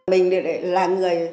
mình là người